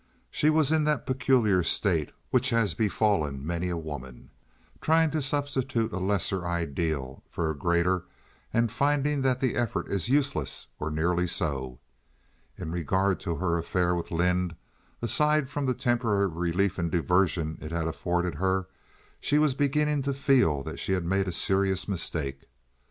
She was in that peculiar state which has befallen many a woman—trying to substitute a lesser ideal for a greater, and finding that the effort is useless or nearly so. In regard to her affair with Lynde, aside from the temporary relief and diversion it had afforded her, she was beginning to feel that she had made a serious mistake.